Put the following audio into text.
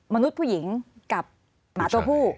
มนุษย์ผู้หญิงกับหมาตัวผู้